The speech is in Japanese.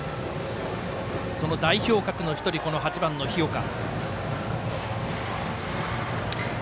その代表格の１人、８番の日岡。